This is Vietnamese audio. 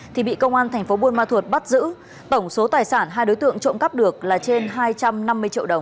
thì bị công an tp bunma thuộc bắt giữ tổng số tài sản hai đối tượng trộm cắp được là trên hai trăm năm mươi triệu đồng